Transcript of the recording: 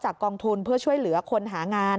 กองทุนเพื่อช่วยเหลือคนหางาน